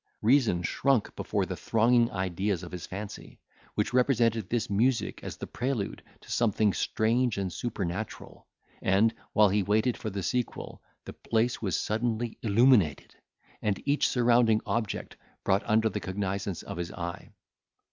Reason shrunk before the thronging ideas of his fancy, which represented this music as the prelude to something strange and supernatural; and, while he waited for the sequel, the place was suddenly illuminated, and each surrounding object brought under the cognisance of his eye.